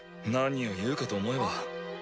何を言うかと思えば。